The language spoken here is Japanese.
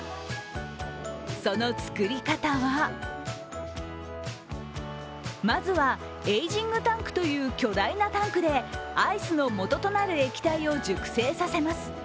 その作り方はまずはエイジングタンクという巨大なタンクでアイスのもととなる液体を熟成させます。